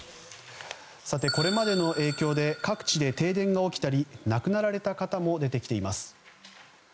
これまでの影響で各地で停電が起きたり亡くなられた方も出てきています。